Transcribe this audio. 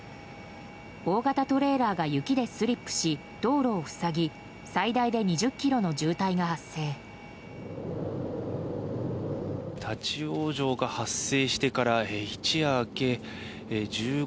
大型トレーラーが雪でスリップし道路を塞ぎ最大で２０ｋｍの渋滞が発生。